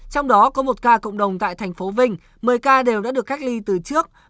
trong đó có một ca cộng đồng tại thành phố vinh một mươi ca đều đã được cách ly từ trước